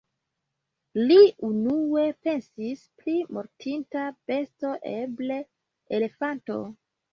Li unue pensis pri mortinta besto, eble elefanto.